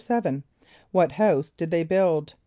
= =7.= What house did they build?